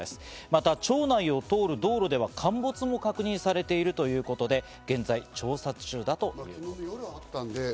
また町内を通る道路では陥没も確認されているということで、現在調査中だということです。